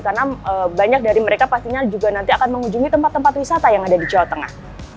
karena banyak dari mereka pastinya juga nanti akan mengunjungi tempat tempat wisata yang ada di jawa tengah